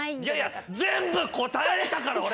全部答えれたから俺！